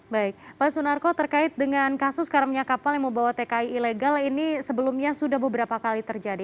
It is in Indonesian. baik pak sunarko terkait dengan kasus karamnya kapal yang membawa tki ilegal ini sebelumnya sudah beberapa kali terjadi